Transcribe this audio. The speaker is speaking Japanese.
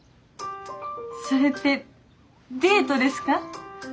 それってデートですか？